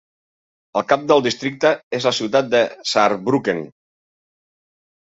El cap del districte és la ciutat de Saarbrücken.